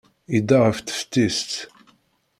Yedda ɣer teftist.